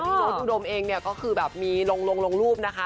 พี่โน้ตดูดมเองก็คือแบบมีลงลงรูปนะคะ